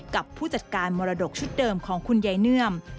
กับผู้จัดการมรดกชุดเดิมของคุณยายเนื่อม